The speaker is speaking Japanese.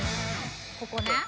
ここね。